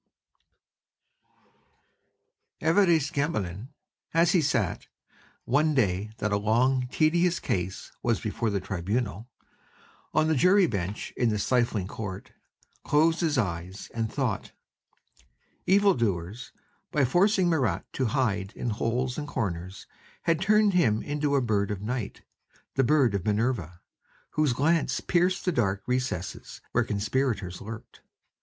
XX Évariste Gamelin, as he sat, one day that a long, tedious case was before the Tribunal, on the jury bench in the stifling court, closed his eyes and thought: "Evil doers, by forcing Marat to hide in holes and corners, had turned him into a bird of night, the bird of Minerva, whose glance pierced the dark recesses where conspirators lurked.